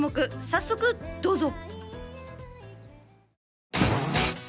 早速どうぞ！